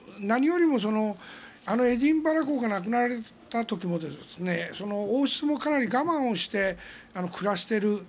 何よりもあのエディンバラ公が亡くなられた時も王室もかなり我慢して暮らしている。